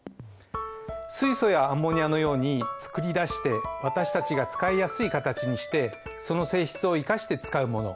水素やアンモニアのようにつくり出して私たちが使いやすい形にしてその性質を生かして使うもの。